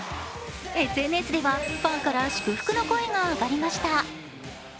ＳＮＳではファンから祝福の声が上がりました。